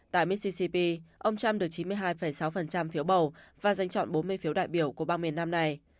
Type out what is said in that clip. tại missicp ông trump được chín mươi hai sáu phiếu bầu và giành chọn bốn mươi phiếu đại biểu của bang miền nam này